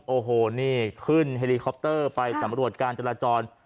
โอ้โหนี่ขึ้นเฮลิคอปเตอร์ไปสำรวจการจราจร